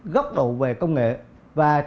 góc độ về công nghệ và